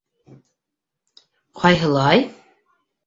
Ҡайһылай...